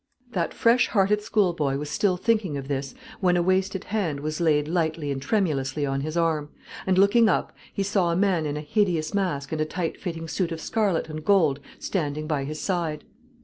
That fresh hearted schoolboy was still thinking of this, when a wasted hand was laid lightly and tremulously on his arm, and looking up he saw a man in a hideous mask and a tight fitting suit of scarlet and gold standing by his side.